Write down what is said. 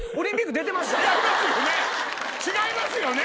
違いますよね